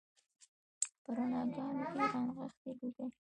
په رڼاګانو کې رانغښي لوګي